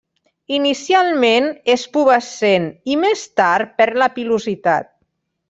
Inicialment és pubescent i més tard perd la pilositat.